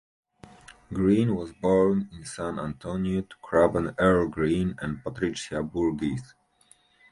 Green was born in San Antonio to Craven Earl Green and Patricia Burgess.